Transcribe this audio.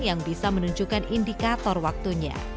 yang bisa menunjukkan indikator waktunya